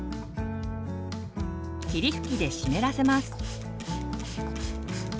霧吹きで湿らせます。